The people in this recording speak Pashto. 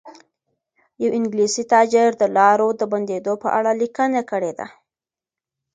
یو انګلیسي تاجر د لارو د بندېدو په اړه لیکنه کړې ده.